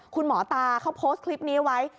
คุณหมอตาเขาโพสต์คลิปนี้ไว้